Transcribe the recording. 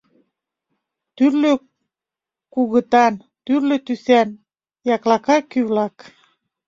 Тӱрлӧ кугытан, тӱрлӧ тӱсан, яклака кӱ-влак.